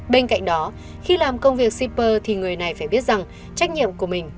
bên cạnh đó khi làm công việc shipper thì người này phải biết rằng trách nhiệm của mình